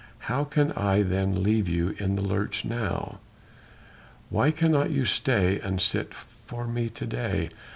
How can I then leave you in the lurch now?" "Why cannot you stay and sit for me to day....